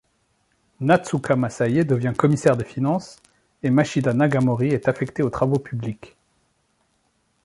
Natsuka Masaie devient commissaire des finances, et Mashida Nagamori est affecté aux travaux publics.